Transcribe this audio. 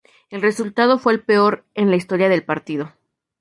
El resultado fue el peor en la historia del partido.